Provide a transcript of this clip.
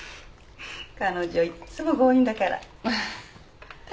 彼女いっつも強引だから。